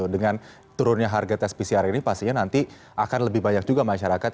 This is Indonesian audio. dengan turunnya harga tes pcr ini pastinya nanti akan lebih banyak juga masyarakat